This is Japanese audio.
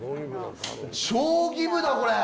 将棋部だ、これ。